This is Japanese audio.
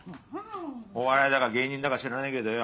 お笑いだか芸人だか知らねえけどよ。